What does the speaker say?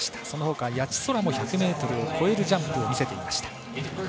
そのほか谷地宙も１００ｍを超えるジャンプを見せていました。